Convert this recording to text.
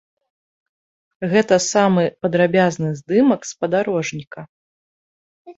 Гэты самы падрабязны здымак спадарожніка.